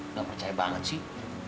nggak percaya banget sih